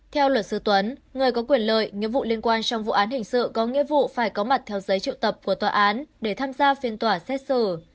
theo luật sư tuấn người có quyền lợi nghĩa vụ liên quan trong vụ án hình sự có nghĩa vụ phải có mặt theo giấy triệu tập của tòa án để tham gia phiên tòa xét xử